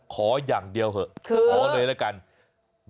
ขออย่างเดียวเถอะขอเลยละกัน